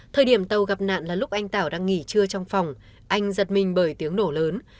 thời điểm tàu gặp nạn là lúc anh tảo đang nghỉ trưa trong phòng anh giật mình bởi tiếng nổ lớn